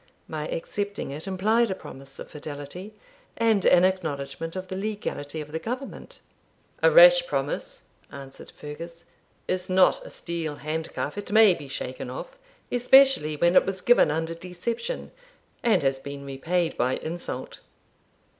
My accepting it implied a promise of fidelity, and an acknowledgment of the legality of the government.' 'A rash promise,' answered Fergus, 'is not a steel handcuff, it may be shaken off, especially when it was given under deception, and has been repaid by insult.